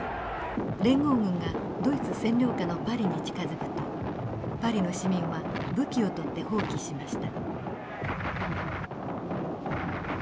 連合軍がドイツ占領下のパリに近づくとパリの市民は武器を取って蜂起しました。